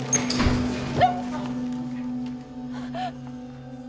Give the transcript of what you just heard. えっ？